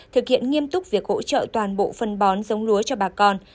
thực hiện nghiêm túc việc hỗ trợ toàn bộ phân bón giống lúa cho bà con